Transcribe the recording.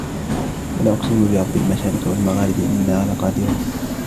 فَلَا أُقْسِمُ بِرَبِّ الْمَشَارِقِ وَالْمَغَارِبِ إِنَّا لَقَادِرُونَ